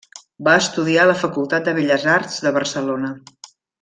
Va estudiar a la Facultat de Belles Arts de Barcelona.